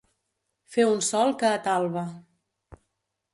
Fer un sol que atalba.